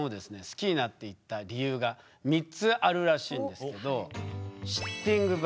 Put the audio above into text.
好きになっていった理由が３つあるらしいんですけど。